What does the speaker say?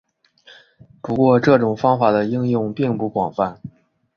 不过这种方法的应用并不广泛。